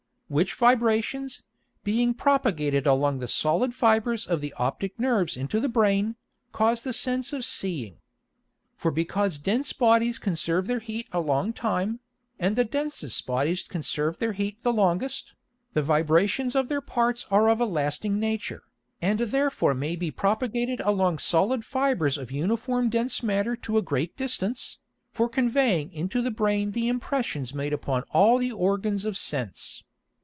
Which Vibrations, being propagated along the solid Fibres of the optick Nerves into the Brain, cause the Sense of seeing. For because dense Bodies conserve their Heat a long time, and the densest Bodies conserve their Heat the longest, the Vibrations of their parts are of a lasting nature, and therefore may be propagated along solid Fibres of uniform dense Matter to a great distance, for conveying into the Brain the impressions made upon all the Organs of Sense.